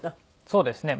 そうですね。